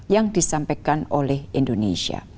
yang disampaikan oleh indonesia